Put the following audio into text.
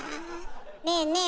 ねえねえ